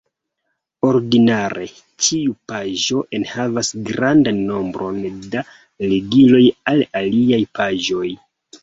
Ordinare, ĉiu paĝo enhavas grandan nombron da ligiloj al aliaj paĝoj.